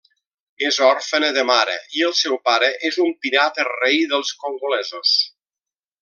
És òrfena de mare, i el seu pare és un pirata rei dels congolesos.